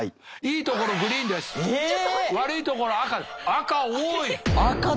赤多い！